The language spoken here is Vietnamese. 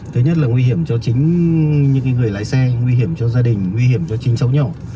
thứ nhất là nguy hiểm cho chính những người lái xe nguy hiểm cho gia đình nguy hiểm cho chính cháu nhỏ